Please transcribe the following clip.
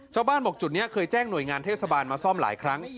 ชาวบ้านบอกจุดนี้เคยแจ้งหน่วยงานเทศบาลมาซ่อมหลายครั้ง